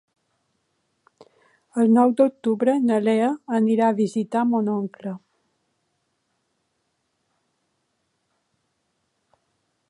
El nou d'octubre na Lea irà a visitar mon oncle.